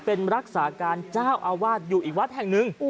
เป็นรักษาการเจ้าอาวาสอยู่อีกวัดแห่งหนึ่ง